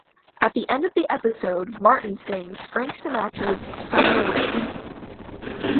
At the end of the episode Martin sings Frank Sinatra's "Summer Wind".